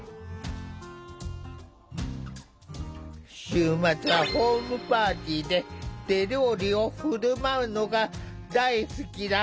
週末はホームパーティーで手料理を振る舞うのが大好きな